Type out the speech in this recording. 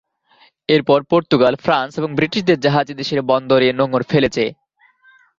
এরপর Portugal, France, এবং ব্রিটিশদের জাহাজ এদেশের বন্দর এ নোঙর ফেলেছে।